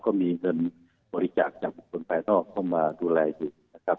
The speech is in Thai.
ก็มีเงินบริจาคจากบุคคลภายนอกเข้ามาดูแลอยู่นะครับ